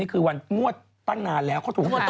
ตั้งนานแล้วเขาถูกว่า๑๖กรกฎาคม